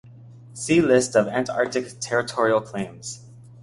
See List of Antarctic territorial claims.